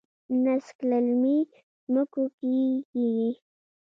نسک په للمي ځمکو کې کیږي.